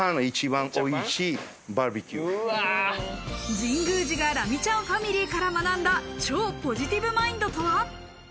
神宮寺がラミちゃんファミリーから学んだ超ポジティブマインドとは。